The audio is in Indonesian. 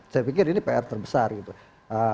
saya pikir ini pr terbesar gitu